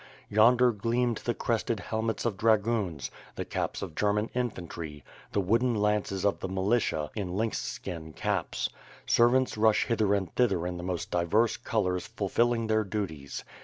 Yonder gleamed the crested helmets of dragoons, the caps of German infantry, the wooden lances of the militia, in lynx skin caps. Servants rush hither and thither in the most diverse colors fulfilling: their duties.